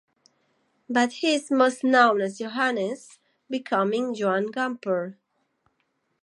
But he is most known as Johannes, becoming Joan Gamper.